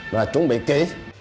và chuẩn bị ký